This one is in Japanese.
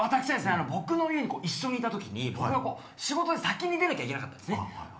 僕の家に一緒にいたときに、仕事で先に出なくちゃいけなかったんですね。